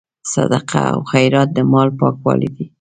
صدقه او خیرات د مال پاکوالی دی.